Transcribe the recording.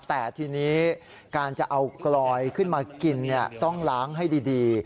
แต่ทีนี้การจะเอากลอยขึ้นมากินต้องล้างให้ดี